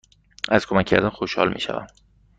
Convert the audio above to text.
از کمک کردن خوشحال می شوم.